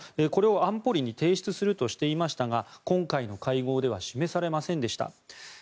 これを安保理に提出するとしていましたが今回の会合では示されませんでした。